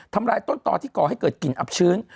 ลายต้นต่อที่ก่อให้เกิดกลิ่นอับชื้น